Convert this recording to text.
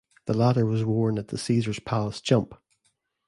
The latter was worn at the Caesars Palace jump.